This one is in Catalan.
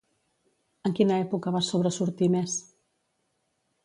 En quina època va sobresortir més?